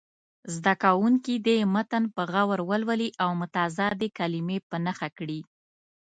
زده کوونکي دې متن په غور ولولي او متضادې کلمې په نښه کړي.